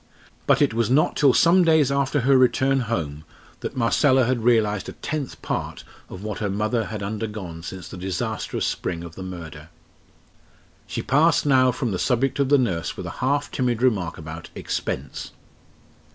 But it was not till some days after her return home that Marcella had realised a tenth part of what her mother had undergone since the disastrous spring of the murder. She passed now from the subject of the nurse with a half timid remark about "expense."